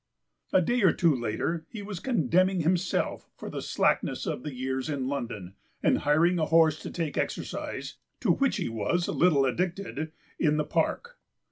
A day or two later he was condemning himself for the slackness of the years in London and hiring a horse to take exercise, to which he was little addicted, in the Park.